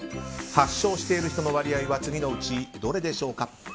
発症している人の割合は次のうちどれでしょうか。